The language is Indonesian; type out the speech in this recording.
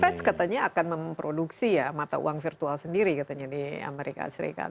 fans katanya akan memproduksi ya mata uang virtual sendiri katanya di amerika serikat